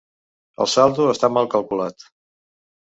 El saldo està mal calculat.